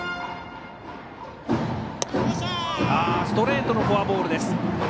ストレートのフォアボールです。